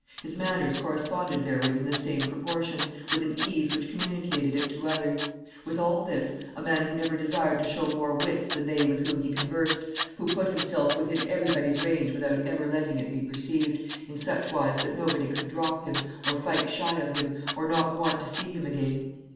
His manners corresponded therewith in the same proportion, with an ease which communicated it to others; with all this, a man who never desired to show more wits than they with whom he conversed, who put himself within everybody's range without ever letting it be perceived, in such wise that nobody could drop him, or fight shy of him, or not want to see him again.